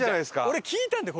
俺聞いたんだよ！